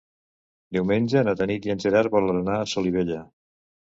Diumenge na Tanit i en Gerard volen anar a Solivella.